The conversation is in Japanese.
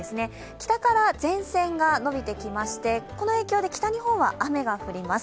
北から前線が延びてきまして、この影響で北日本は雨が降ります。